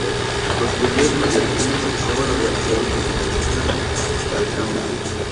Los judíos mallorquines estaban organizados mediante una aljama.